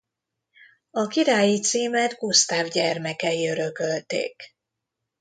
A királyi címet Gusztáv gyermekei örökölték.